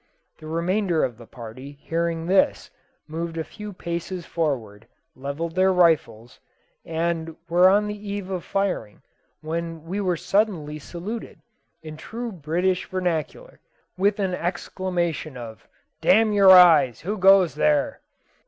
The remainder of the party, hearing this, moved a few paces forward, levelled their rifles, and were on the eve of firing, when we were suddenly saluted, in true British vernacular, with an exclamation of "D your eyes, who goes there?"